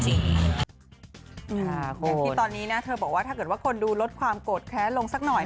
อย่างที่ตอนนี้นะเธอบอกว่าถ้าเกิดว่าคนดูลดความโกรธแค้นลงสักหน่อย